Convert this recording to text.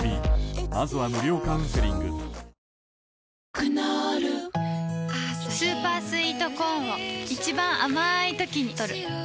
クノールスーパースイートコーンを一番あまいときにとる